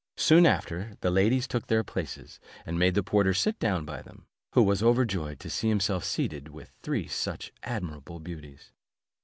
Soon after, the ladies took their places, and made the porter sit down by them, who was overjoyed to see himself seated with three such admirable beauties.